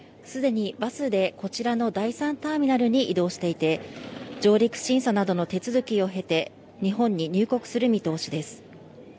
すでにバスでこちらの第３ターミナルに移動していて上陸審査などの手続きを経て日本に入国する見通しです。